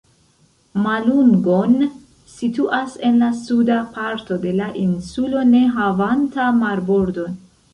Malungon situas en la suda parto de la insulo ne havanta marbordon.